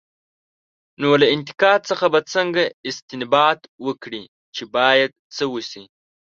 نو له انتقاد څخه به څنګه استنباط وکړي، چې باید څه وشي؟